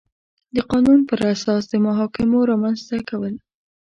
د قانون پر اساس د محاکمو رامنځ ته کول